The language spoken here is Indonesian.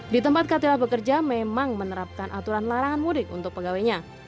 di tempat katila bekerja memang menerapkan aturan larangan mudik untuk pegawainya